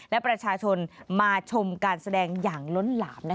และประชาชนมาชมการแสดงอย่างล้นหลาม